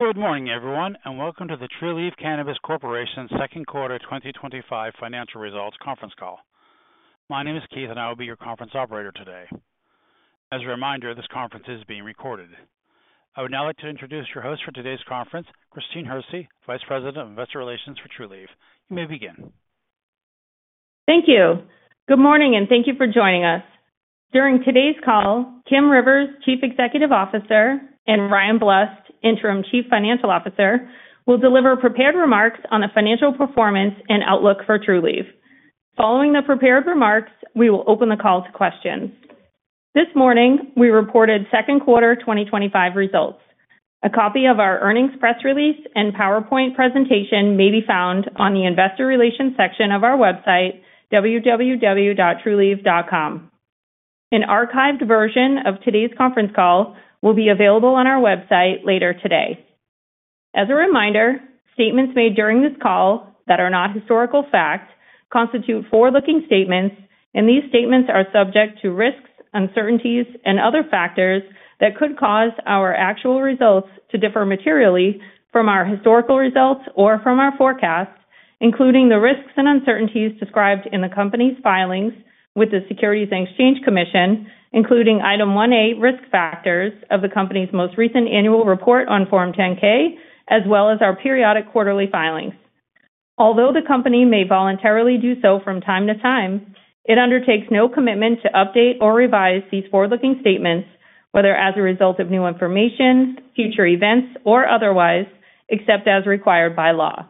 Good morning, everyone, and welcome to the Trulieve Cannabis Corporation second quarter 2025 financial results conference call. My name is Keith, and I will be your conference operator today. As a reminder, this conference is being recorded. I would now like to introduce your host for today's conference, Christine Hersey, Vice President of Investor Relations for Trulieve. You may begin. Thank you. Good morning, and thank you for joining us. During today's call, Kim Rivers, Chief Executive Officer, and Ryan Blust, Interim Chief Financial Officer, will deliver prepared remarks on the financial performance and outlook for Trulieve Cannabis Corporation. Following the prepared remarks, we will open the call to questions. This morning, we reported second quarter 2025 results. A copy of our earnings press release and PowerPoint presentation may be found on the Investor Relations section of our website, www.trulieve.com. An archived version of today's conference call will be available on our website later today. As a reminder, statements made during this call that are not historical facts constitute forward-looking statements, and these statements are subject to risks, uncertainties, and other factors that could cause our actual results to differ materially from our historical results or from our forecast, including the risks and uncertainties described in the company's filings with the Securities and Exchange Commission, including Item 1A risk factors of the company's most recent annual report on Form 10-K, as well as our periodic quarterly filings. Although the company may voluntarily do so from time to time, it undertakes no commitment to update or revise these forward-looking statements, whether as a result of new information, future events, or otherwise, except as required by law.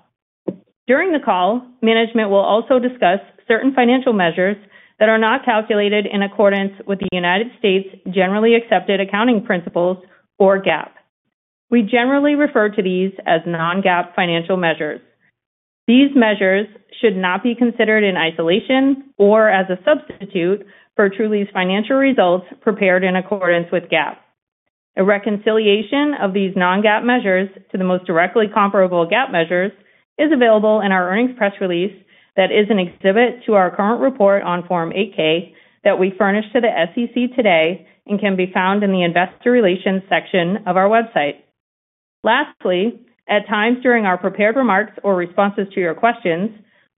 During the call, management will also discuss certain financial measures that are not calculated in accordance with the U.S. Generally Accepted Accounting Principles, or GAAP. We generally refer to these as non-GAAP financial measures. These measures should not be considered in isolation or as a substitute for Trulieve's financial results prepared in accordance with GAAP. A reconciliation of these non-GAAP measures to the most directly comparable GAAP measures is available in our earnings press release that is an exhibit to our current report on Form 8-K that we furnished to the SEC today and can be found in the Investor Relations section of our website. Lastly, at times during our prepared remarks or responses to your questions,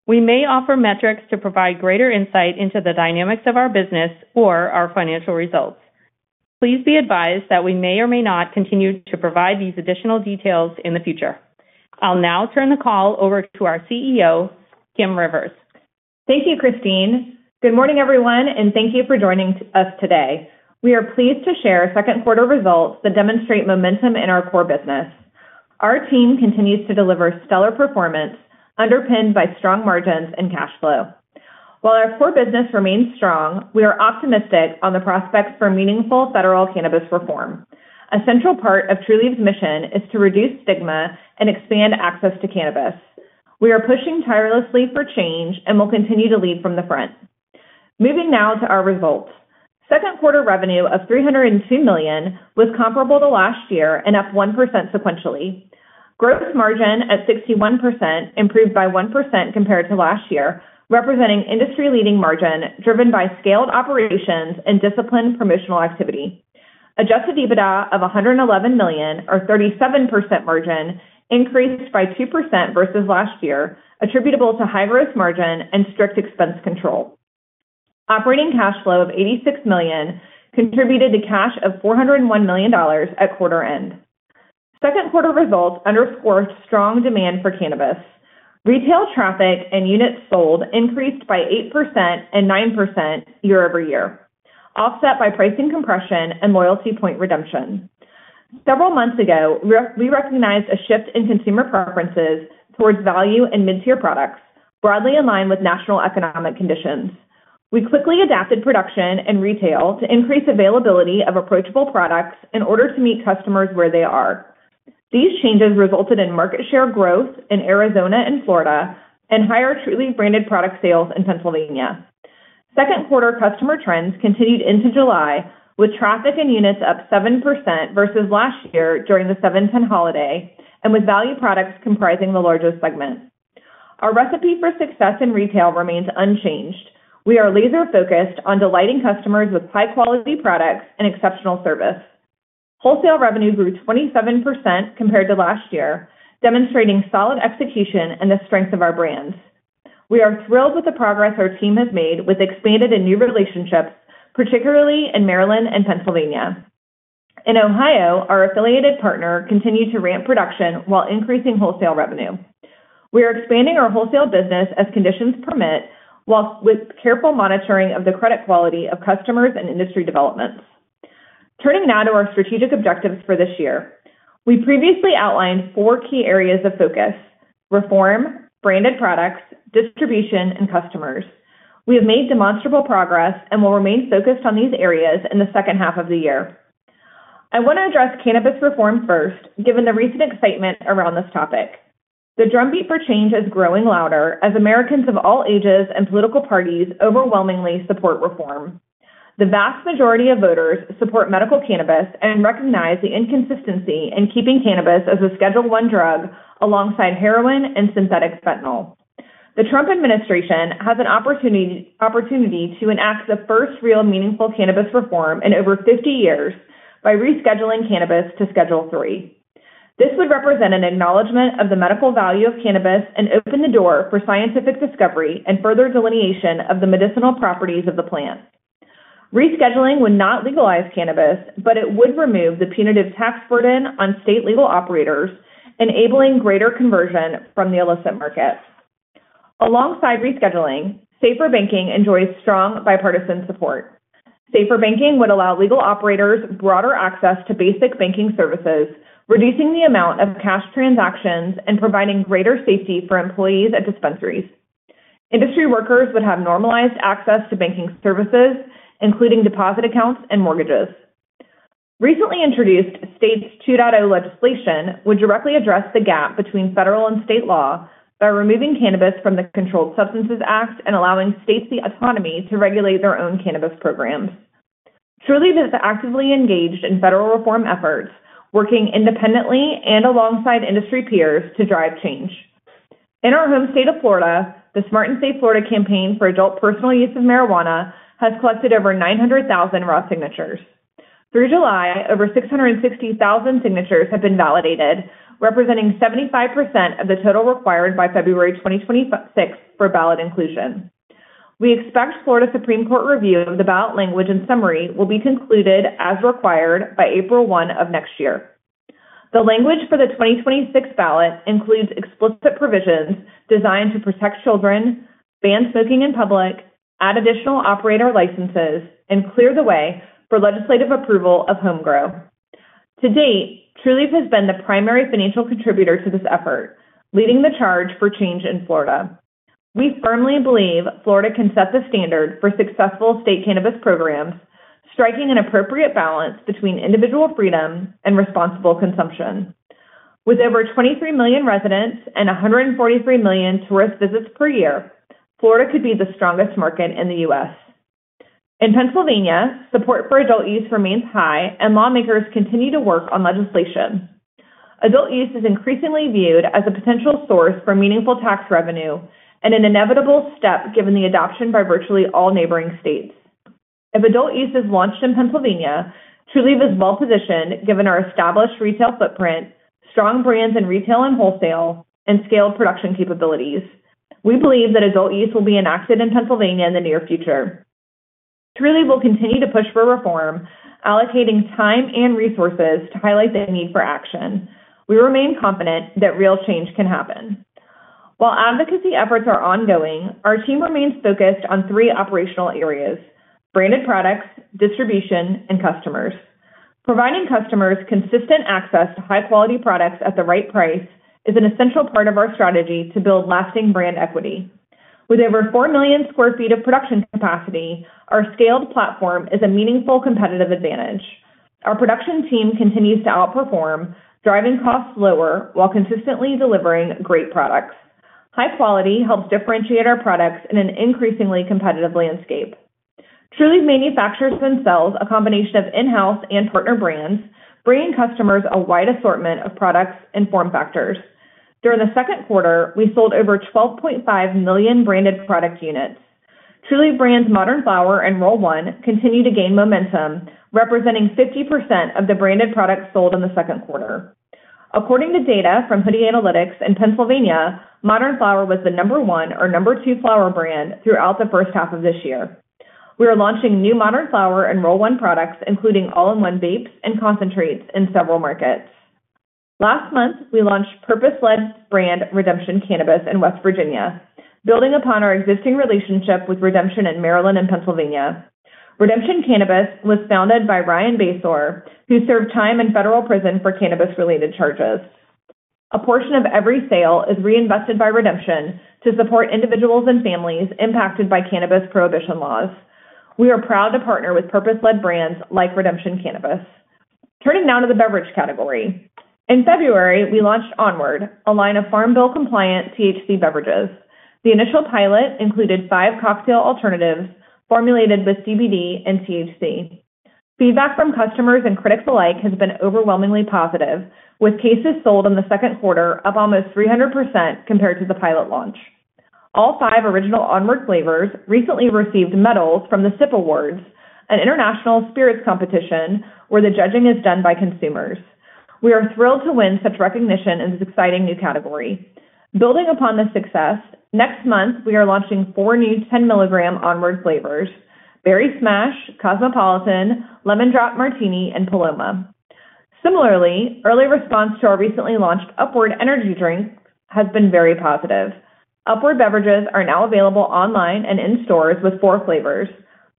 we may offer metrics to provide greater insight into the dynamics of our business or our financial results. Please be advised that we may or may not continue to provide these additional details in the future. I'll now turn the call over to our CEO, Kim Rivers. Thank you, Christine. Good morning, everyone, and thank you for joining us today. We are pleased to share second quarter results that demonstrate momentum in our core business. Our team continues to deliver stellar performance underpinned by strong margins and cash flow. While our core business remains strong, we are optimistic on the prospects for meaningful federal cannabis reform. A central part of Trulieve Cannabis Corporation's mission is to reduce stigma and expand access to cannabis. We are pushing tirelessly for change and will continue to lead from the front. Moving now to our results. Second quarter revenue of $302 million, which is comparable to last year and up 1% sequentially. Gross margin at 61% improved by 1% compared to last year, representing industry-leading margin driven by scaled operations and disciplined promotional activity. Adjusted EBITDA of $111 million, or 37% margin, increased by 2% versus last year, attributable to high gross margin and strict expense control. Operating cash flow of $86 million contributed to cash of $401 million at quarter end. Second quarter results underscore strong demand for cannabis. Retail traffic and units sold increased by 8% and 9% year over year, offset by pricing compression and loyalty point redemption. Several months ago, we recognized a shift in consumer preferences towards value and mid-tier products, broadly in line with national economic conditions. We quickly adapted production and retail to increase availability of approachable products in order to meet customers where they are. These changes resulted in market share growth in Arizona and Florida and higher Trulieve-branded product sales in Pennsylvania. Second quarter customer trends continued into July, with traffic and units up 7% versus last year during the 7/10 holiday and with value products comprising the largest segment. Our recipe for success in retail remains unchanged. We are laser-focused on delighting customers with high-quality products and exceptional service. Wholesale revenue grew 27% compared to last year, demonstrating solid execution and the strength of our brand. We are thrilled with the progress our team has made with expanded and new relationships, particularly in Maryland and Pennsylvania. In Ohio, our affiliated partner continued to ramp production while increasing wholesale revenue. We are expanding our wholesale business as conditions permit, while with careful monitoring of the credit quality of customers and industry developments. Turning now to our strategic objectives for this year, we previously outlined four key areas of focus: reform, branded products, distribution, and customers. We have made demonstrable progress and will remain focused on these areas in the second half of the year. I want to address cannabis reforms first, given the recent excitement around this topic. The drumbeat for change is growing louder as Americans of all ages and political parties overwhelmingly support reform. The vast majority of voters support Medical Cannabis and recognize the inconsistency in keeping cannabis as a Schedule I drug alongside heroin and synthetic fentanyl. The Trump administration has an opportunity to enact the first real meaningful cannabis reform in over 50 years by rescheduling cannabis to Schedule III. This would represent an acknowledgment of the medical value of cannabis and open the door for scientific discovery and further delineation of the medicinal properties of the plant. Rescheduling would not legalize cannabis, but it would remove the punitive tax burden on state legal operators, enabling greater conversion from the illicit market. Alongside rescheduling, SAFER Banking enjoys strong bipartisan support. SAFER Banking would allow legal operators broader access to basic banking services, reducing the amount of cash transactions and providing greater safety for employees at dispensaries. Industry workers would have normalized access to banking services, including deposit accounts and mortgages. Recently introduced State 2.0 legislation would directly address the gap between federal and state law by removing cannabis from the Controlled Substances Act and allowing states the autonomy to regulate their own Cannabis programs. Trulieve is actively engaged in federal reform efforts, working independently and alongside industry peers to drive change. In our home state of Florida, the Smart and Safe Florida Campaign for Adult Personal Use of Marijuana has collected over 900,000 raw signatures. Through July, over 660,000 signatures have been validated, representing 75% of the total required by February 2026 for ballot inclusion. We expect Florida Supreme Court review of the ballot language and summary will be concluded as required by April 1 of next year. The language for the 2026 ballot includes explicit provisions designed to protect children, ban smoking in public, add additional operator licenses, and clear the way for legislative approval of homegrow. To date, Trulieve has been the primary financial contributor to this effort, leading the charge for change in Florida. We firmly believe Florida can set the standard for successful state cannabis programs, striking an appropriate balance between individual freedom and responsible consumption. With over 23 million residents and 143 million tourist visits per year, Florida could be the strongest market in the U.S. In Pennsylvania, support for Adult Use remains high, and lawmakers continue to work on legislation. Adult Use is increasingly viewed as a potential source for meaningful tax revenue and an inevitable step given the adoption by virtually all neighboring states. If Adult Use is launched in Pennsylvania, Trulieve is well-positioned given our established retail footprint, strong brands in retail and wholesale, and scaled production capabilities. We believe that Adult Use will be enacted in Pennsylvania in the near future. Trulieve will continue to push for reform, allocating time and resources to highlight the need for action. We remain confident that real change can happen. While advocacy efforts are ongoing, our team remains focused on three operational areas: branded products, distribution, and customers. Providing customers consistent access to high-quality products at the right price is an essential part of our strategy to build lasting brand equity. With over 4 million square feet of production capacity, our scaled platform is a meaningful competitive advantage. Our production team continues to outperform, driving costs lower while consistently delivering great products. High quality helps differentiate our products in an increasingly competitive landscape. Trulieve manufactures a combination of in-house and partner brands, bringing customers a wide assortment of products and form factors. During the second quarter, we sold over 12.5 million branded product units. Trulieve brands Modern Flower and Roll One continue to gain momentum, representing 50% of the branded products sold in the second quarter. According to data from Hoodie Analytics in Pennsylvania, Modern Flower was the number one or number two flower brand throughout the first half of this year. We are launching new Modern Flower and Roll One products, including all-in-one vapes and concentrates in several markets. Last month, we launched Purpose Blend brand Redemption Cannabis in West Virginia, building upon our existing relationship with Redemption in Maryland and Pennsylvania. Redemption Cannabis was founded by Ryan Bayesor, who served time in federal prison for cannabis-related charges. A portion of every sale is reinvested by Redemption to support individuals and families impacted by cannabis prohibition laws. We are proud to partner with purpose-led brands like Redemption Cannabis. Turning now to the beverage category. In February, we launched Onward, a line of farm-bill-compliant THC beverages. The initial pilot included five cocktail alternatives formulated with CBD and THC. Feedback from customers and critics alike has been overwhelmingly positive, with cases sold in the second quarter up almost 300% compared to the pilot launch. All five original Onward flavors recently received medals from the SIP Awards, an international spirits competition where the judging is done by consumers. We are thrilled to win such recognition in this exciting new category. Building upon this success, next month we are launching four new 10 milligram Onward flavors: Berry Smash, Cosmopolitan, Lemon Drop Martini, and Paloma. Similarly, early response to our recently launched Upward energy drink has been very positive. Upward beverages are now available online and in stores with four flavors: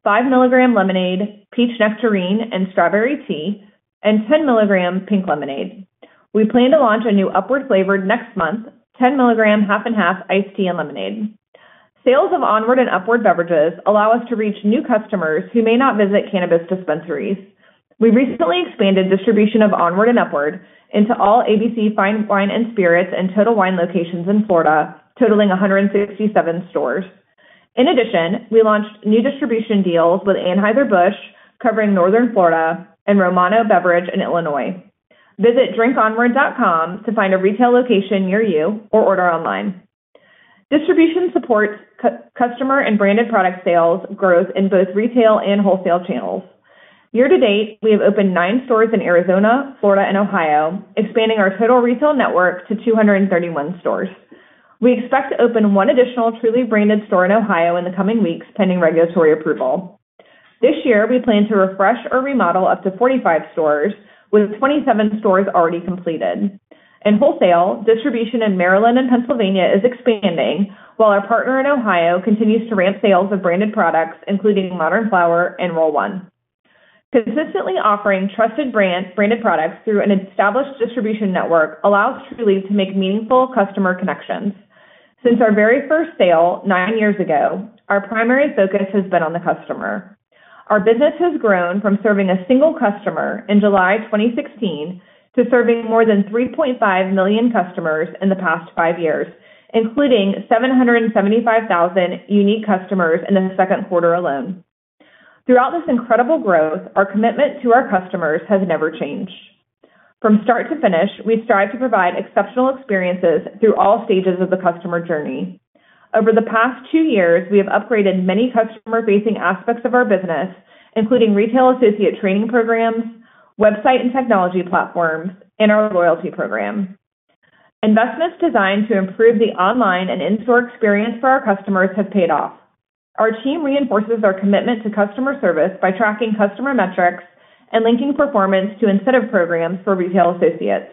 5 milligram lemonade, peach nectarine and strawberry tea, and 10 milligram pink lemonade. We plan to launch a new Upward flavor next month: 10 milligram half and half iced tea and lemonade. Sales of Onward and Upward beverages allow us to reach new customers who may not visit cannabis dispensaries. We recently expanded distribution of Onward and Upward into all ABC Fine Wine & Spirits and Total Wine locations in Florida, totaling 167 stores. In addition, we launched new distribution deals with Anheuser-Busch covering Northern Florida and Romano Beverage in Illinois. Visit drinkonward.com to find a retail location near you or order online. Distribution supports customer and branded product sales growth in both retail and wholesale channels. Year to date, we have opened nine stores in Arizona, Florida, and Ohio, expanding our total retail network to 231 stores. We expect to open one additional Trulieve-branded store in Ohio in the coming weeks, pending regulatory approval. This year, we plan to refresh or remodel up to 45 stores, with 27 stores already completed. In wholesale, distribution in Maryland and Pennsylvania is expanding, while our partner in Ohio continues to ramp sales of branded products, including Modern Flower and Roll One. Consistently offering trusted branded products through an established distribution network allows Trulieve to make meaningful customer connections. Since our very first sale nine years ago, our primary focus has been on the customer. Our business has grown from serving a single customer in July 2016 to serving more than 3.5 million customers in the past five years, including 775,000 unique customers in the second quarter alone. Throughout this incredible growth, our commitment to our customers has never changed. From start to finish, we strive to provide exceptional experiences through all stages of the customer journey. Over the past two years, we have upgraded many customer-facing aspects of our business, including retail associate training programs, website and technology platforms, and our loyalty program. Investments designed to improve the online and in-store experience for our customers have paid off. Our team reinforces our commitment to customer service by tracking customer metrics and linking performance to incentive programs for retail associates.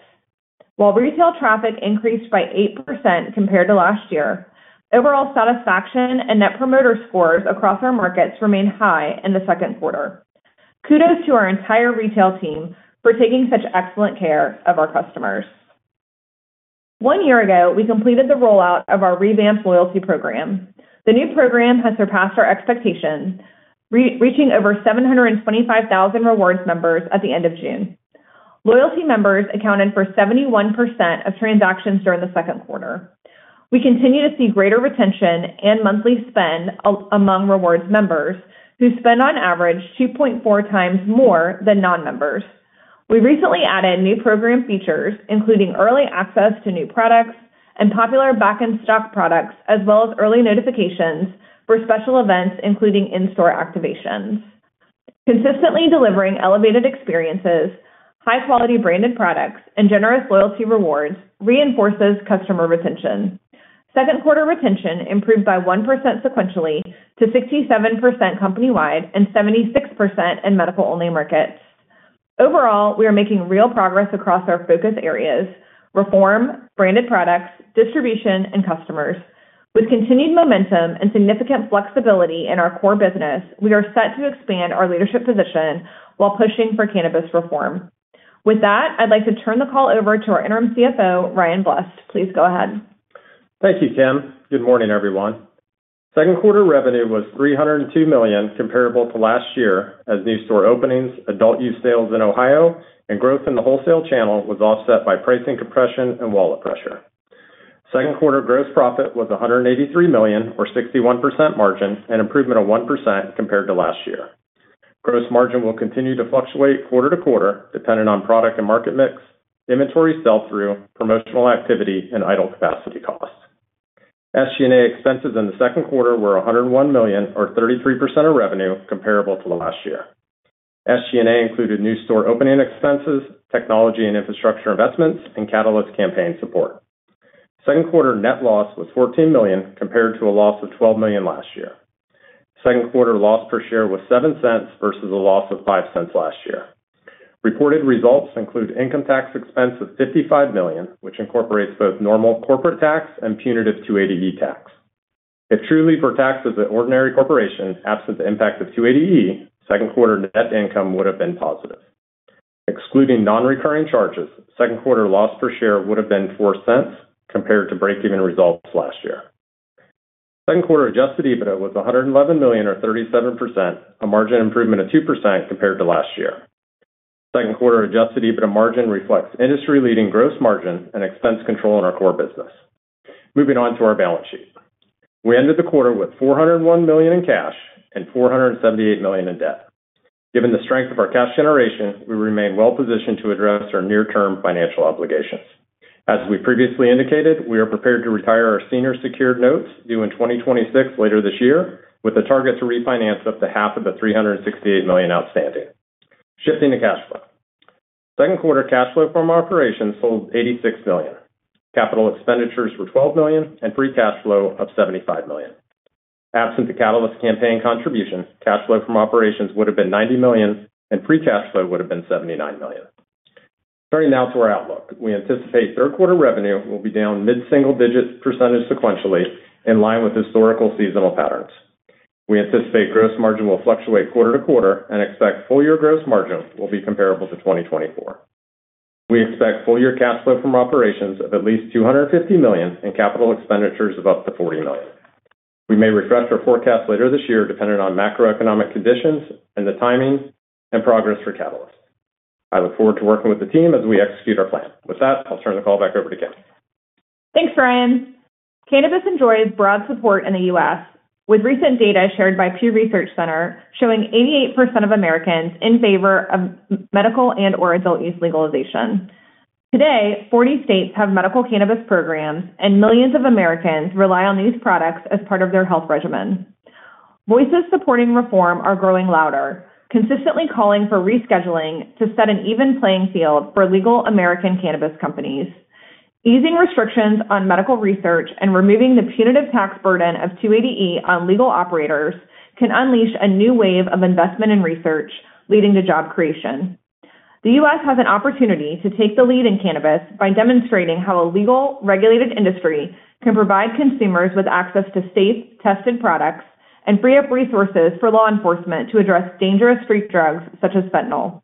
While retail traffic increased by 8% compared to last year, overall satisfaction and Net Promoter Scores across our markets remain high in the second quarter. Kudos to our entire retail team for taking such excellent care of our customers. One year ago, we completed the rollout of our revamped loyalty program. The new program has surpassed our expectation, reaching over 725,000 Rewards members at the end of June. Loyalty members accounted for 71% of transactions during the second quarter. We continue to see greater retention and monthly spend among Rewards members, who spend on average 2.4 times more than non-members. We recently added new program features, including early access to new products and popular back-in-stock products, as well as early notifications for special events, including in-store activations. Consistently delivering elevated experiences, high-quality branded products, and generous loyalty rewards reinforces customer retention. Second quarter retention improved by 1% sequentially to 67% company-wide and 76% in medical-only markets. Overall, we are making real progress across our focus areas: reform, branded products, distribution, and customers. With continued momentum and significant flexibility in our core business, we are set to expand our leadership position while pushing for cannabis reform. With that, I'd like to turn the call over to our Interim CFO, Ryan Blust. Please go ahead. Thank you, Kim. Good morning, everyone. Second quarter revenue was $302 million, comparable to last year, as new store openings, Adult Use sales in Ohio, and growth in the wholesale channel was offset by pricing compression and wallet pressure. Second quarter gross profit was $183 million, or 61% margin, an improvement of 1% compared to last year. Gross margin will continue to fluctuate quarter to quarter, dependent on product and market mix, inventory sell-through, promotional activity, and idle capacity costs. SG&A expenses in the second quarter were $101 million, or 33% of revenue, comparable to last year. SG&A included new store opening expenses, technology and infrastructure investments, and catalyst campaign support. Second quarter net loss was $14 million, compared to a loss of $12 million last year. Second quarter loss per share was $0.07 versus a loss of $0.05 last year. Reported results include income tax expense of $55 million, which incorporates both normal corporate tax and punitive 280E tax. If Trulieve were taxed as an ordinary corporation absent the impact of 280E, second quarter net income would have been positive. Excluding non-recurring charges, second quarter loss per share would have been $0.04 compared to breakeven results last year. Second quarter adjusted EBITDA was $111 million, or 37%, a margin improvement of 2% compared to last year. Second quarter adjusted EBITDA margin reflects industry-leading gross margin and expense control in our core business. Moving on to our balance sheet. We ended the quarter with $401 million in cash and $478 million in debt. Given the strength of our cash generation, we remain well-positioned to address our near-term financial obligations. As we previously indicated, we are prepared to retire our senior secured notes due in 2026, later this year, with the target to refinance up to half of the $368 million outstanding. Shifting to cash flow. Second quarter cash flow from operations totaled $86 million. Capital expenditures were $12 million and free cash flow of $75 million. Absent the catalyst campaign contributions, cash flow from operations would have been $90 million, and free cash flow would have been $79 million. Turning now to our outlook, we anticipate third quarter revenue will be down mid-single-digit percentage sequentially, in line with historical seasonal patterns. We anticipate gross margin will fluctuate quarter to quarter and expect full-year gross margin will be comparable to 2024. We expect full-year cash flow from operations of at least $250 million and capital expenditures of up to $40 million. We may regress our forecast later this year, dependent on macroeconomic conditions and the timings and progress for catalyst. I look forward to working with the team as we execute our plan. With that, I'll turn the call back over to Kim. Thanks, Ryan. Cannabis enjoys broad support in the U.S., with recent data shared by Pew Research Center showing 88% of Americans in favor of medical and/or Adult Use legalization. Today, 40 states have Medical Cannabis programs, and millions of Americans rely on these products as part of their health regimen. Voices supporting reform are growing louder, consistently calling for rescheduling to set an even playing field for legal American cannabis companies. Easing restrictions on medical research and removing the punitive tax burden of 280E on legal operators can unleash a new wave of investment in research, leading to job creation. The U.S. has an opportunity to take the lead in cannabis by demonstrating how a legal, regulated industry can provide consumers with access to safe, tested products and free up resources for law enforcement to address dangerous street drugs such as fentanyl.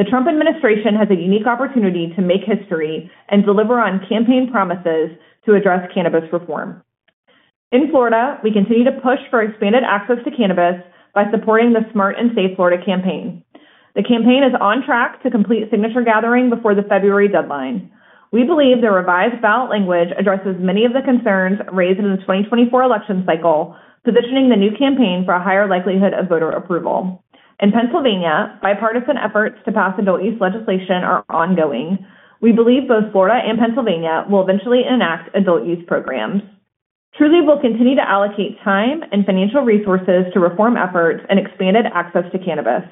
The Trump administration has a unique opportunity to make history and deliver on campaign promises to address cannabis reform. In Florida, we continue to push for expanded access to cannabis by supporting the Smart and Safe Florida Campaign for Adult Personal Use of Marijuana. The campaign is on track to complete signature gathering before the February deadline. We believe the revised ballot language addresses many of the concerns raised in the 2024 election cycle, positioning the new campaign for a higher likelihood of voter approval. In Pennsylvania, bipartisan efforts to pass Adult Use legislation are ongoing. We believe both Florida and Pennsylvania will eventually enact Adult Use programs. Trulieve Cannabis Corporation will continue to allocate time and financial resources to reform efforts and expanded access to cannabis.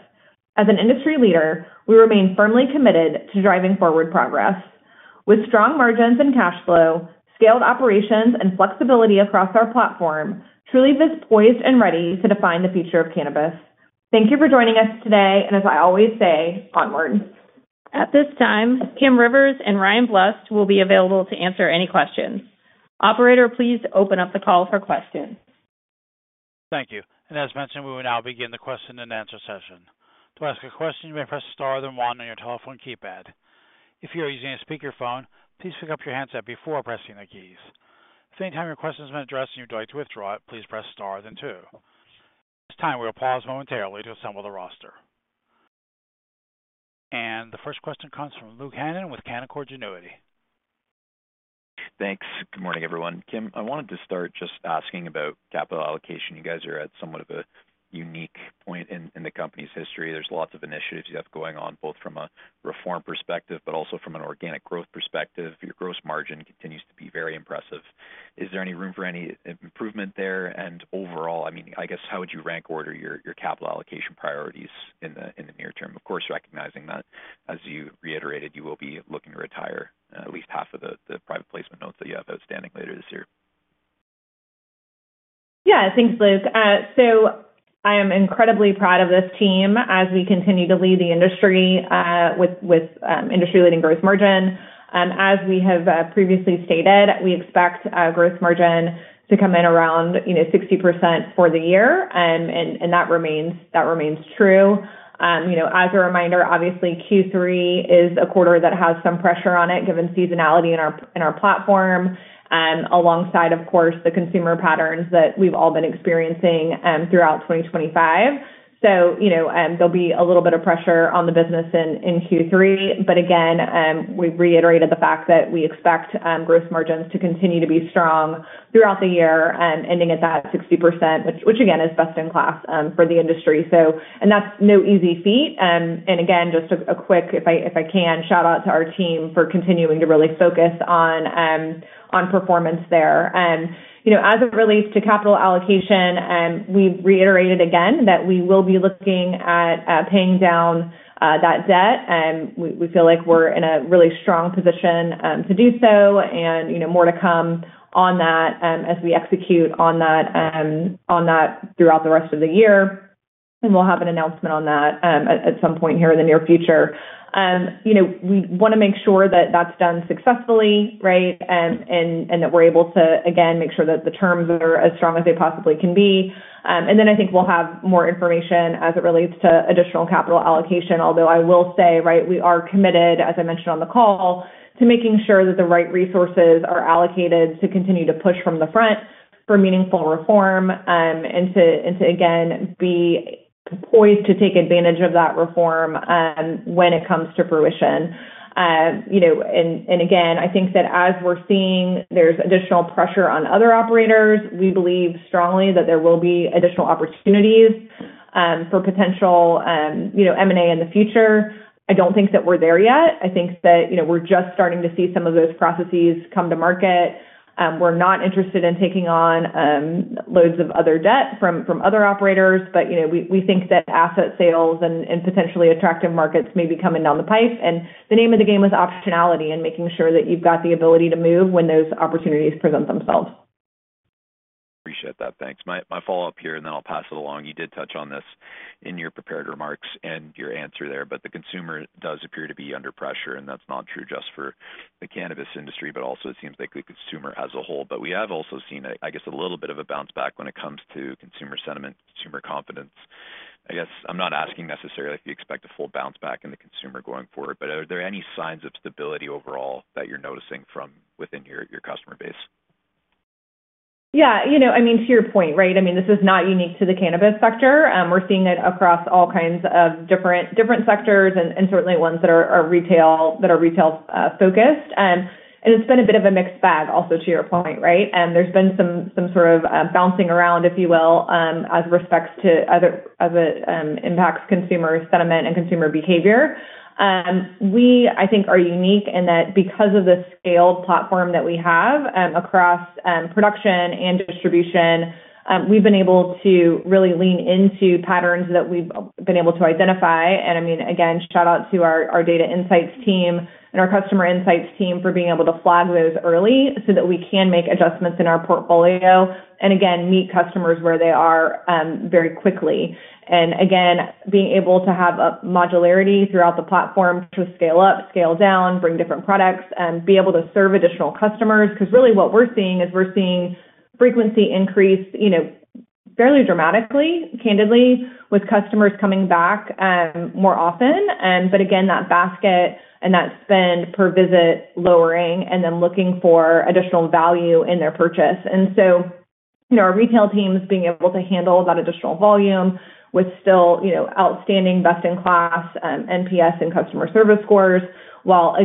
As an industry leader, we remain firmly committed to driving forward progress. With strong margins and cash flow, scaled operations, and flexibility across our platform, Trulieve Cannabis Corporation is poised and ready to define the future of cannabis. Thank you for joining us today, and as I always say, onward. At this time, Kim Rivers and Ryan Blust will be available to answer any questions. Operator, please open up the call for questions. Thank you. As mentioned, we will now begin the question and answer session. To ask a question, you may press star then one on your telephone keypad. If you are using a speakerphone, please pick up your handset before pressing the keys. If at any time your question has been addressed and you would like to withdraw it, please press star then two. At this time, we will pause momentarily to assemble the roster. The first question comes from Luke Hannan with Canaccord Genuity. Thanks. Good morning, everyone. Kim, I wanted to start just asking about capital allocation. You guys are at somewhat of a unique point in the company's history. There's lots of initiatives you have going on, both from a reform perspective, but also from an organic growth perspective. Your gross margin continues to be very impressive. Is there any room for any improvement there? Overall, I mean, I guess how would you rank order your capital allocation priorities in the near term? Of course, recognizing that, as you reiterated, you will be looking to retire at least half of the private placement notes that you have outstanding later this year. Yeah, thanks, Luke. I am incredibly proud of this team as we continue to lead the industry with industry-leading gross margin. As we have previously stated, we expect gross margin to come in around 60% for the year, and that remains true. As a reminder, obviously, Q3 is a quarter that has some pressure on it, given seasonality in our platform, alongside, of course, the consumer patterns that we've all been experiencing throughout 2025. There'll be a little bit of pressure on the business in Q3. Again, we reiterated the fact that we expect gross margins to continue to be strong throughout the year, ending at that 60%, which again is best in class for the industry. That's no easy feat. Just a quick, if I can, shout out to our team for continuing to really focus on performance there. As it relates to capital allocation, we reiterated again that we will be looking at paying down that debt. We feel like we're in a really strong position to do so, and more to come on that as we execute on that throughout the rest of the year. We'll have an announcement on that at some point here in the near future. We want to make sure that that's done successfully, right? That we're able to, again, make sure that the terms are as strong as they possibly can be. I think we'll have more information as it relates to additional capital allocation. Although I will say, right, we are committed, as I mentioned on the call, to making sure that the right resources are allocated to continue to push from the front for meaningful reform and to, again, be poised to take advantage of that reform when it comes to fruition. Again, I think that as we're seeing there's additional pressure on other operators, we believe strongly that there will be additional opportunities for potential M&A in the future. I don't think that we're there yet. I think that we're just starting to see some of those processes come to market. We're not interested in taking on loads of other debt from other operators, but we think that asset sales and potentially attractive markets may be coming down the pipe. The name of the game is optionality and making sure that you've got the ability to move when those opportunities present themselves. Appreciate that. Thanks. My follow-up here, and then I'll pass it along. You did touch on this in your prepared remarks and your answer there, but the consumer does appear to be under pressure, and that's not true just for the cannabis industry, but also it seems like the consumer as a whole. We have also seen, I guess, a little bit of a bounce back when it comes to consumer sentiment, consumer confidence. I'm not asking necessarily if you expect a full bounce back in the consumer going forward, but are there any signs of stability overall that you're noticing from within your customer base? Yeah, you know, I mean, to your point, right? I mean, this is not unique to the cannabis sector. We're seeing it across all kinds of different sectors and certainly ones that are retail-focused. It's been a bit of a mixed bag, also to your point, right? There's been some sort of bouncing around, if you will, as respects to other impacts, consumer sentiment, and consumer behavior. We, I think, are unique in that because of the scaled platform that we have across production and distribution, we've been able to really lean into patterns that we've been able to identify. Again, shout out to our data insights team and our customer insights team for being able to flag those early so that we can make adjustments in our portfolio and, again, meet customers where they are very quickly. Being able to have a modularity throughout the platform to scale up, scale down, bring different products, be able to serve additional customers. What we're seeing is we're seeing frequency increase, you know, fairly dramatically, candidly, with customers coming back more often. That basket and that spend per visit lowering and then looking for additional value in their purchase. Our retail teams being able to handle that additional volume with still, you know, outstanding best-in-class NPS and customer service scores, while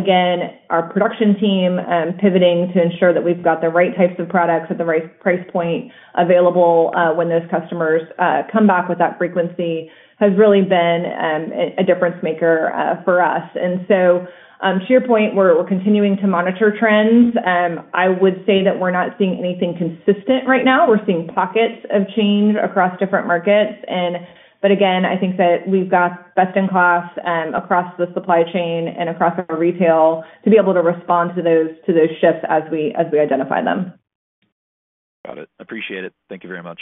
our production team pivoting to ensure that we've got the right types of products at the right price point available when those customers come back with that frequency has really been a difference maker for us. To your point, we're continuing to monitor trends. I would say that we're not seeing anything consistent right now. We're seeing pockets of change across different markets. I think that we've got best-in-class across the supply chain and across our retail to be able to respond to those shifts as we identify them. Got it. Appreciate it. Thank you very much.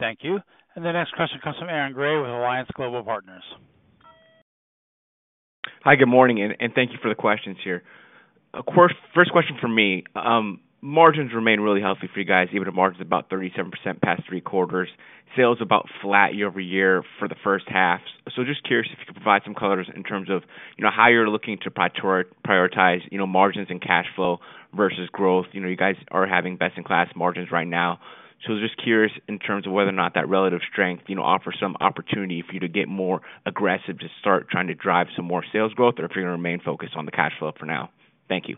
Thank you. The next question comes from Aaron Grey with Alliance Global Partners. Hi, good morning, and thank you for the questions here. First question for me. Margins remain really healthy for you guys. Even at a margin of about 37% past three quarters, sales about flat year over year for the first half. Just curious if you could provide some colors in terms of how you're looking to prioritize margins and cash flow versus growth. You guys are having best-in-class margins right now. I was just curious in terms of whether or not that relative strength offers some opportunity for you to get more aggressive to start trying to drive some more sales growth or if you're going to remain focused on the cash flow for now. Thank you.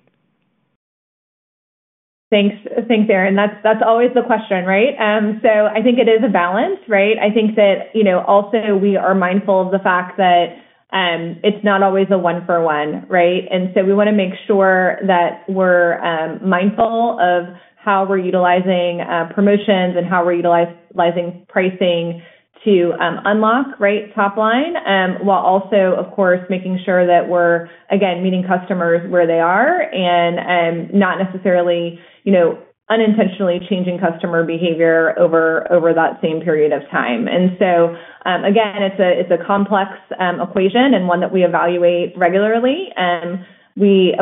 Thanks, Aaron. That's always the question, right? I think it is a balance, right? We are mindful of the fact that it's not always a one-for-one, and we want to make sure that we're mindful of how we're utilizing promotions and how we're utilizing pricing to unlock top line, while also making sure that we're, again, meeting customers where they are and not necessarily unintentionally changing customer behavior over that same period of time. It's a complex equation and one that we evaluate regularly. We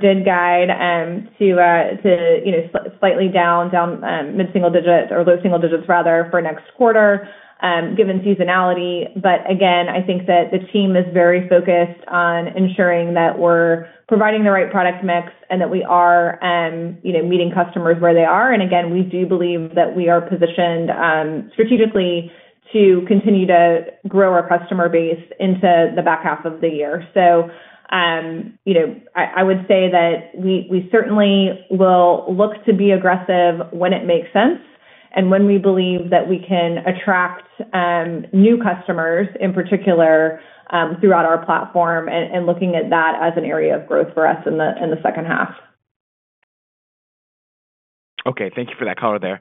did guide to slightly down mid-single digit or low single digits, rather, for next quarter, given seasonality. I think that the team is very focused on ensuring that we're providing the right product mix and that we are meeting customers where they are. We do believe that we are positioned strategically to continue to grow our customer base into the back half of the year. I would say that we certainly will look to be aggressive when it makes sense and when we believe that we can attract new customers, in particular, throughout our platform and looking at that as an area of growth for us in the second half. Okay, thank you for that color there.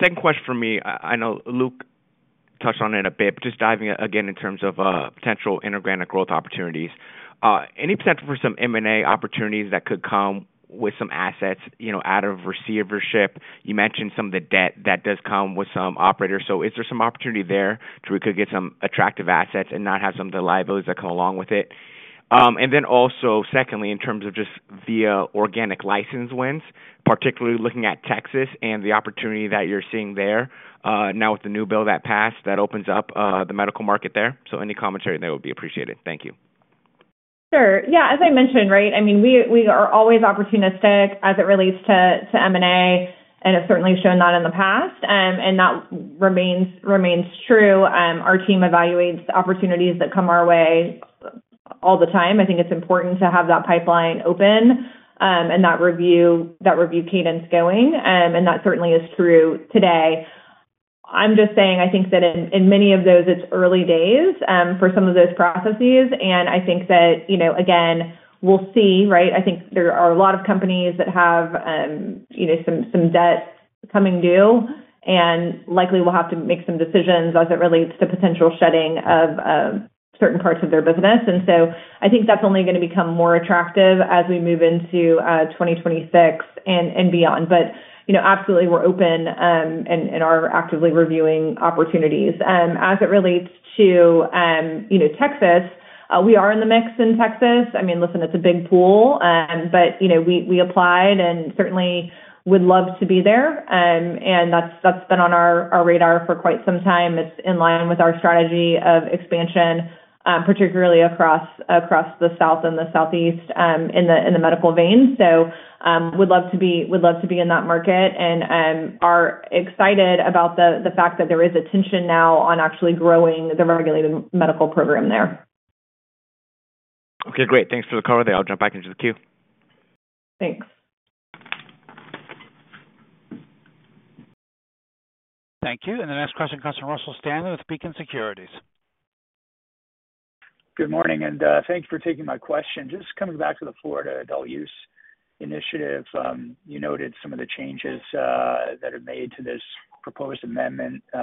Second question for me, I know Luke touched on it a bit, just diving again in terms of potential inter-branded growth opportunities. Any potential for some M&A opportunities that could come with some assets out of receivership? You mentioned some of the debt that does come with some operators. Is there some opportunity there to where we could get some attractive assets and not have some of the liabilities that come along with it? Also, in terms of just via organic license wins, particularly looking at Texas and the opportunity that you're seeing there, now with the new bill that passed that opens up the medical market there. Any commentary there would be appreciated. Thank you. Sure. As I mentioned, we are always opportunistic as it relates to M&A, and it's certainly shown that in the past, and that remains true. Our team evaluates the opportunities that come our way all the time. I think it's important to have that pipeline open and that review cadence going, and that certainly is true today. I think that in many of those, it's early days for some of those processes. I think there are a lot of companies that have some debt coming due, and likely will have to make some decisions as it relates to potential shedding of certain parts of their business. I think that's only going to become more attractive as we move into 2026 and beyond. Absolutely, we're open and are actively reviewing opportunities. As it relates to Texas, we are in the mix in Texas. It's a big pool, but we applied and certainly would love to be there. That's been on our radar for quite some time. It's in line with our strategy of expansion, particularly across the South and the Southeast in the medical vein. We'd love to be in that market and are excited about the fact that there is attention now on actually growing the regulated medical program there. Okay, great. Thanks for the call there. I'll jump back into the queue. Thanks. Thank you. The next question comes from Russell Stanley with Beacon Securities. Good morning, and thank you for taking my question. Just coming back to the Florida Adult Use Initiative, you noted some of the changes that are made to this proposed amendment, that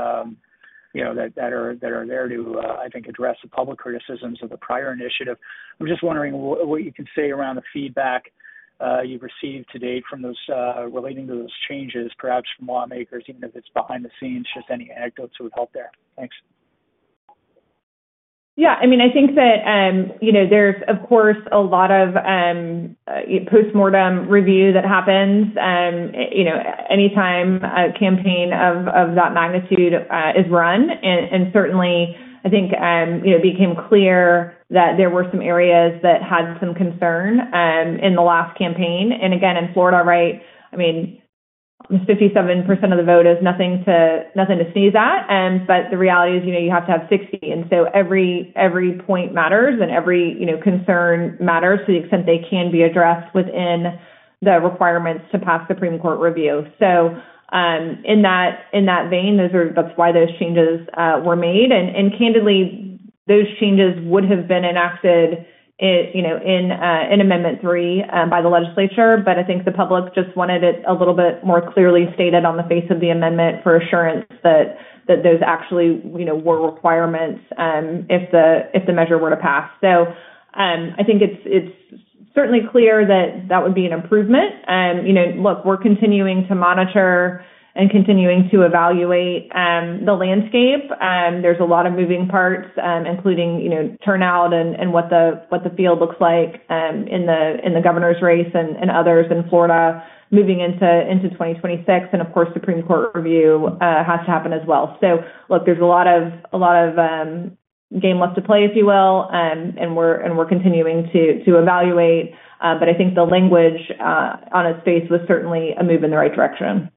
are there to, I think, address the public criticisms of the prior initiative. I'm just wondering what you can say around the feedback you've received to date from those relating to those changes, perhaps from lawmakers, even if it's behind the scenes, just any anecdotes that would help there. Thanks. I think that there's, of course, a lot of postmortem review that happens anytime a campaign of that magnitude is run. Certainly, I think it became clear that there were some areas that had some concern in the last campaign. In Florida, 57% of the vote is nothing to sneeze at, but the reality is you have to have 60%. Every point matters and every concern matters to the extent they can be addressed within the requirements to pass Supreme Court review. In that vein, that's why those changes were made. Candidly, those changes would have been enacted in Amendment 3 by the legislature. I think the public just wanted it a little bit more clearly stated on the face of the amendment for assurance that those actually were requirements if the measure were to pass. I think it's certainly clear that that would be an improvement. We're continuing to monitor and continuing to evaluate the landscape. There's a lot of moving parts, including turnout and what the field looks like in the governor's race and others in Florida moving into 2026. Supreme Court review has to happen as well. There's a lot of game left to play, if you will, and we're continuing to evaluate. I think the language on its face was certainly a move in the right direction.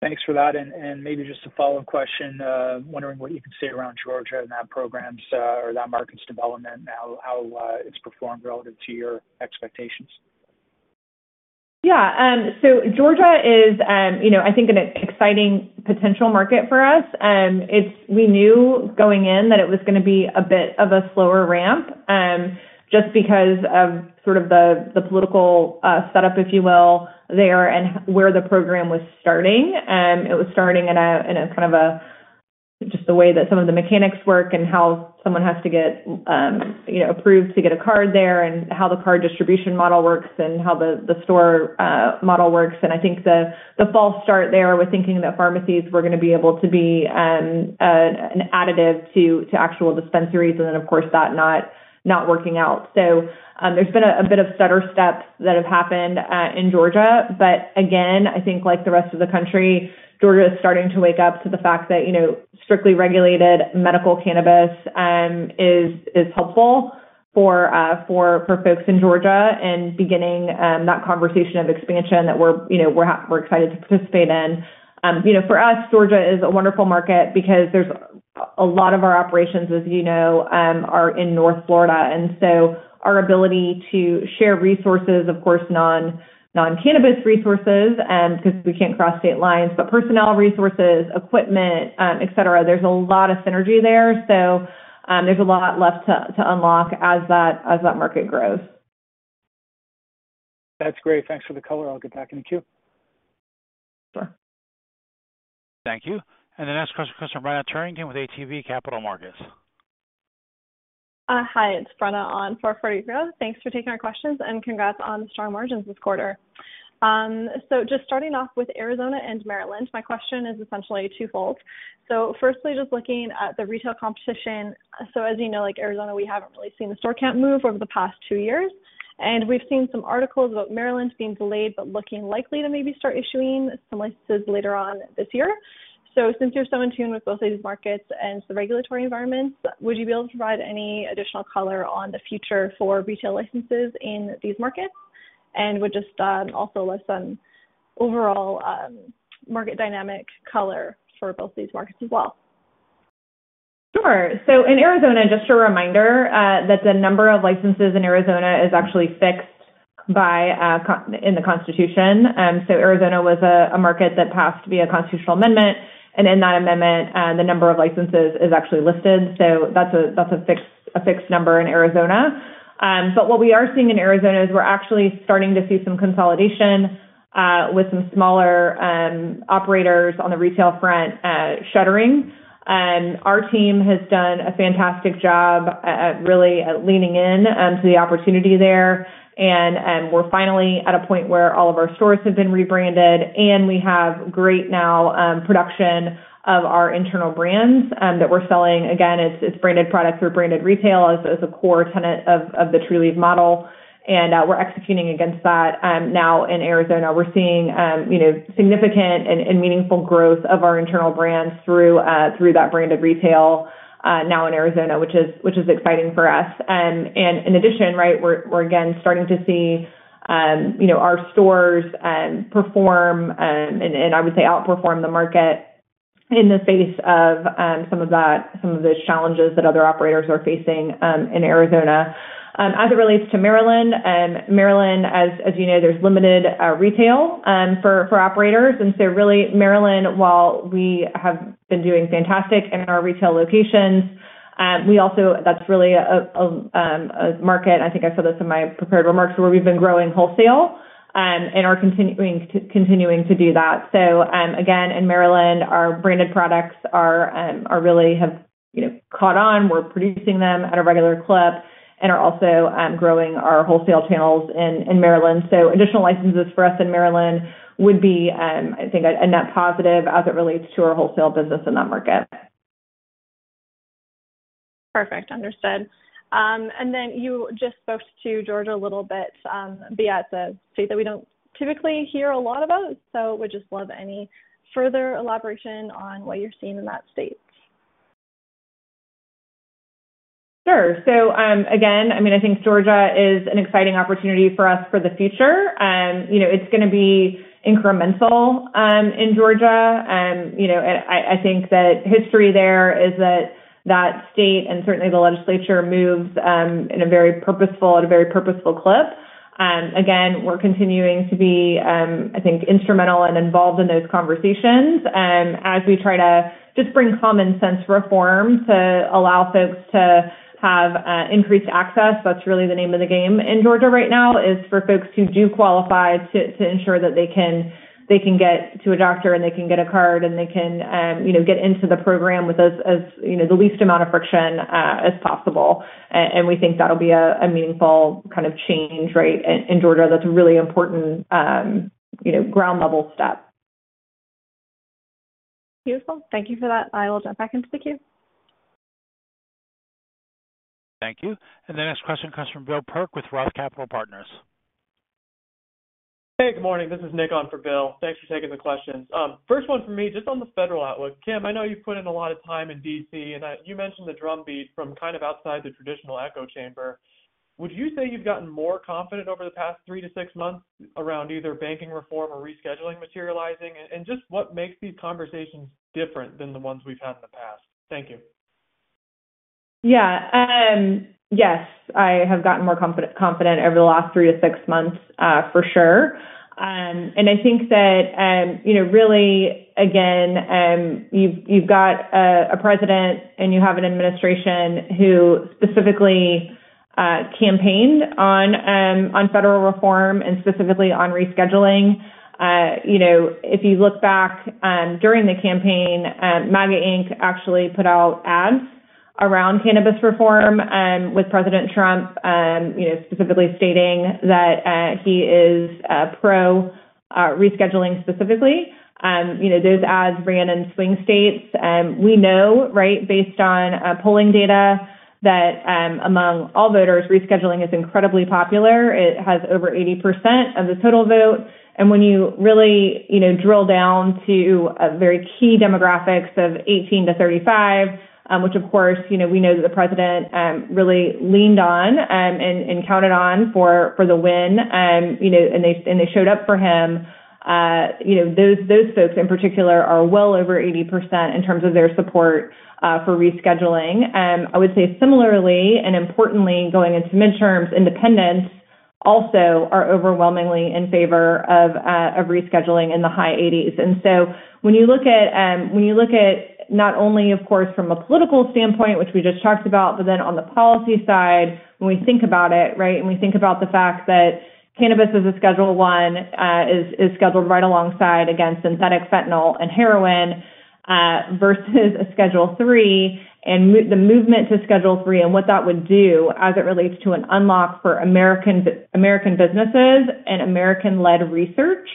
Thanks for that. Maybe just a follow-up question, wondering what you can say around Georgia and that program's or that market's development now, how it's performed relative to your expectations. Yeah, so Georgia is, you know, I think, an exciting potential market for us. We knew going in that it was going to be a bit of a slower ramp just because of sort of the political setup, if you will, there and where the program was starting. It was starting in a kind of a just the way that some of the mechanics work and how someone has to get, you know, approved to get a card there and how the card distribution model works and how the store model works. I think the false start there with thinking that pharmacies were going to be able to be an additive to actual dispensaries and then, of course, that not working out. There have been a bit of stutter steps that have happened in Georgia. Again, I think like the rest of the country, Georgia is starting to wake up to the fact that, you know, strictly regulated Medical Cannabis is helpful for folks in Georgia and beginning that conversation of expansion that we're, you know, we're excited to participate in. You know, for us, Georgia is a wonderful market because there's a lot of our operations, as you know, are in North Florida. Our ability to share resources, of course, non-cannabis resources, because we can't cross state lines, but personnel resources, equipment, et cetera, there's a lot of synergy there. There's a lot left to unlock as that market grows. That's great. Thanks for the call. I'll get back in the queue. Sure. Thank you. The next question comes from Ryan Bayless with ATB Capital Markets. Hi, it's Brenda on 440 Growth. Thanks for taking our questions and congrats on the strong margins this quarter. Just starting off with Arizona and Maryland, my question is essentially twofold. Firstly, just looking at the retail competition. As you know, like Arizona, we haven't really seen the store count move over the past two years. We've seen some articles about Maryland being delayed, but looking likely to maybe start issuing some licenses later on this year. Since you're so in tune with both of these markets and the regulatory environment, would you be able to provide any additional color on the future for retail licenses in these markets? Would just also list on overall market dynamic color for both of these markets as well. Sure. In Arizona, just a reminder that the number of licenses in Arizona is actually fixed in the Constitution. Arizona was a market that passed via a constitutional amendment. In that amendment, the number of licenses is actually listed. That's a fixed number in Arizona. What we are seeing in Arizona is we're actually starting to see some consolidation with some smaller operators on the retail front shuttering. Our team has done a fantastic job at really leaning into the opportunity there. We're finally at a point where all of our stores have been rebranded and we have great now production of our internal brands that we're selling. Again, it's branded products or branded retail as a core tenet of the Trulieve model. We're executing against that now in Arizona. We're seeing significant and meaningful growth of our internal brands through that branded retail now in Arizona, which is exciting for us. In addition, we're again starting to see our stores perform, and I would say outperform the market in the face of some of those challenges that other operators are facing in Arizona. As it relates to Maryland, as you know, there's limited retail for operators. Really, Maryland, while we have been doing fantastic in our retail locations, that's really a market. I think I said this in my prepared remarks where we've been growing wholesale and are continuing to do that. In Maryland, our branded products really have caught on. We're producing them at a regular clip and are also growing our wholesale channels in Maryland. Additional licenses for us in Maryland would be, I think, a net positive as it relates to our wholesale business in that market. Perfect. Understood. You just spoke to Georgia a little bit, a state that we don't typically hear a lot about. We'd just love any further elaboration on what you're seeing in that state. Sure. I think Georgia is an exciting opportunity for us for the future. It's going to be incremental in Georgia. I think that history there is that state and certainly the legislature moved at a very purposeful clip. We're continuing to be, I think, instrumental and involved in those conversations as we try to just bring common sense reform to allow folks to have increased access. That's really the name of the game in Georgia right now, for folks who do qualify, to ensure that they can get to a doctor and they can get a card and they can get into the program with the least amount of friction as possible. We think that'll be a meaningful kind of change in Georgia. That's a really important ground-level step. Beautiful. Thank you for that. I will jump back into the queue. Thank you. The next question comes from Bill Kirk with Roth Capital Partners. Hey, good morning. This is Nick on for Bill. Thanks for taking the question. First one for me is just on the federal outlook. Kim, I know you've put in a lot of time in D.C. and you mentioned the drumbeat from kind of outside the traditional echo chamber. Would you say you've gotten more confident over the past three to six months around either banking reform or rescheduling materializing? What makes these conversations different than the ones we've had in the past? Thank you. Yes, I have gotten more confident over the last three to six months, for sure. I think that, really, again, you've got a president and you have an administration who specifically campaigned on federal reform and specifically on rescheduling. If you look back during the campaign, MAGA Inc. actually put out ads around cannabis reform with President Trump, specifically stating that he is pro-rescheduling specifically. Those ads ran in swing states. We know, based on polling data, that among all voters, rescheduling is incredibly popular. It has over 80% of the total vote. When you really drill down to very key demographics of 18 to 35, which, of course, we know that the president really leaned on and counted on for the win, and they showed up for him, those folks in particular are well over 80% in terms of their support for rescheduling. I would say similarly and importantly, going into midterms, independents also are overwhelmingly in favor of rescheduling in the high 80%. When you look at not only, of course, from a political standpoint, which we just talked about, but then on the policy side, when we think about it, and we think about the fact that cannabis as a Schedule I is scheduled right alongside, again, synthetic fentanyl and heroin versus a Schedule III and the movement to Schedule III and what that would do as it relates to an unlock for American businesses and American-led research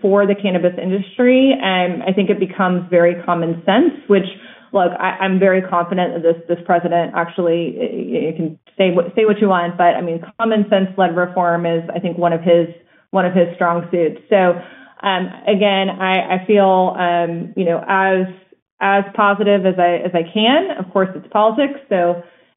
for the cannabis industry, I think it becomes very common sense, which, look, I'm very confident that this president actually, you can say what you want, but common sense-led reform is, I think, one of his strong suits. Again, I feel as positive as I can, of course, it's politics.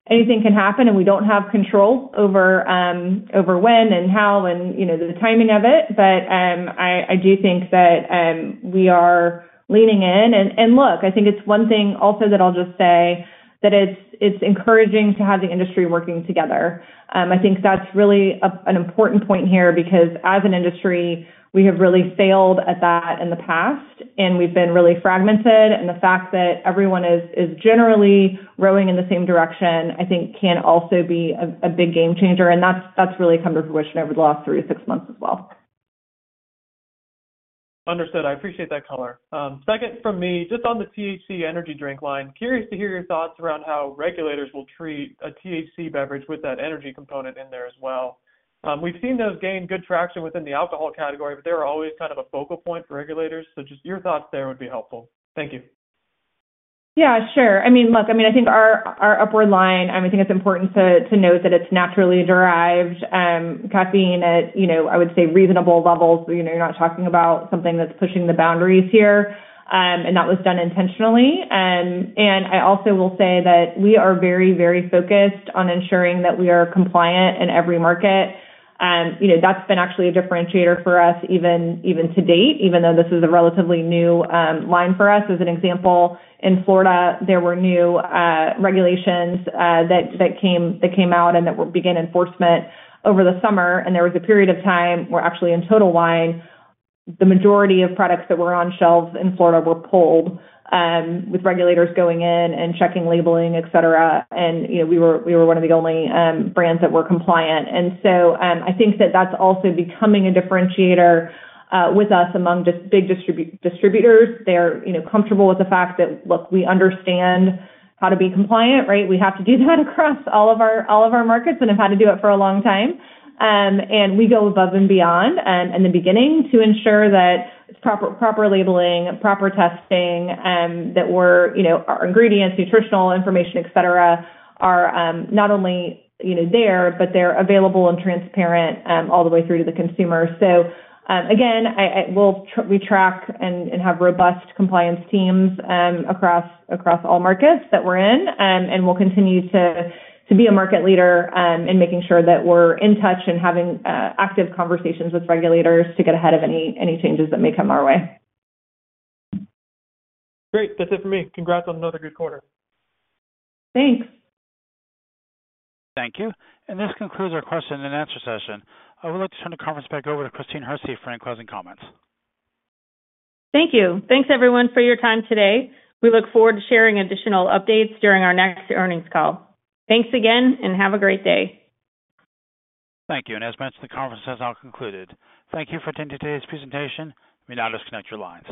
Anything can happen and we don't have control over when and how and the timing of it. I do think that we are leaning in. I think it's one thing also that I'll just say that it's encouraging to have the industry working together. I think that's really an important point here because as an industry, we have really failed at that in the past and we've been really fragmented. The fact that everyone is generally rowing in the same direction, I think, can also be a big game changer. That's really come to fruition over the last three to six months as well. Understood. I appreciate that color. Second from me, just on the THC energy drink line, curious to hear your thoughts around how regulators will treat a THC beverage with that energy component in there as well. We've seen those gain good traction within the alcohol category, but they're always kind of a focal point for regulators. Just your thoughts there would be helpful. Thank you. Yeah, sure. I mean, look, I think our Upward energy drinks line, I think it's important to note that it's naturally derived caffeine at, you know, I would say reasonable levels. You're not talking about something that's pushing the boundaries here. That was done intentionally. I also will say that we are very, very focused on ensuring that we are compliant in every market. That's been actually a differentiator for us even to date, even though this is a relatively new line for us. As an example, in Florida, there were new regulations that came out and that began enforcement over the summer. There was a period of time where actually in Total Wine, the majority of products that were on shelves in Florida were pulled with regulators going in and checking labeling, etc. We were one of the only brands that were compliant. I think that that's also becoming a differentiator with us among just big distributors. They're comfortable with the fact that, look, we understand how to be compliant, right? We have to do that across all of our markets and have had to do it for a long time. We go above and beyond in the beginning to ensure that it's proper labeling, proper testing, that we're, you know, our ingredients, nutritional information, etc., are not only, you know, there, but they're available and transparent all the way through to the consumer. Again, we track and have robust compliance teams across all markets that we're in. We will continue to be a market leader in making sure that we're in touch and having active conversations with regulators to get ahead of any changes that may come our way. Great. That's it for me. Congrats on another good quarter. Thanks. Thank you. This concludes our question and answer session. I would like to turn the conference back over to Christine Hersey for any closing comments. Thank you. Thanks, everyone, for your time today. We look forward to sharing additional updates during our next earnings call. Thanks again and have a great day. Thank you. As mentioned, the conference has now concluded. Thank you for attending today's presentation. We now disconnect your lines.